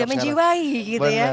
udah menjiwai gitu ya